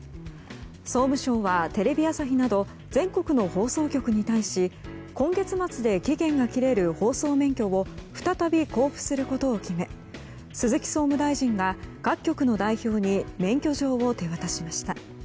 総務省はテレビ朝日など全国の放送局に対し今月末で期限が切れる放送免許を再び交付することを決め鈴木総務大臣が各局の代表に免許状を手渡しました。